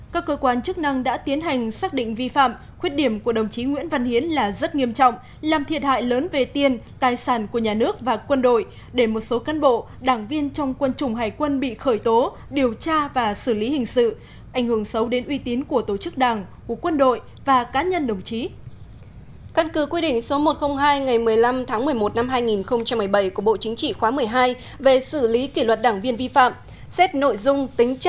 các cơ quan chức năng đã tiến hành xác định vi phạm khuyết điểm của đồng chí nguyễn văn hiến là rất nghiêm trọng làm thiệt hại lớn về tiền tài sản của nhà nước và quân đội để một số cân bộ đảng viên trong quân chủng hải quân bị khởi tố điều tra và xử lý hình sự ảnh hưởng xấu đến uy tín của tổ chức đảng của quân đội và cá nhân đồng chí